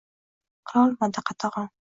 Qilolmadi qatag’on.